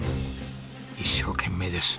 一生懸命です。